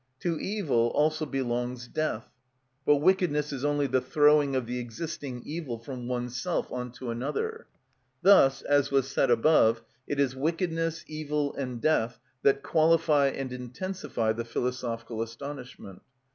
To evil also belongs death; but wickedness is only the throwing of the existing evil from oneself on to another. Thus, as was said above, it is wickedness, evil, and death that qualify and intensify the philosophical astonishment.